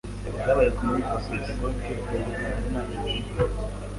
Ibyabaye ku munsi wa Pentekote twibuka ari nabyo twifuza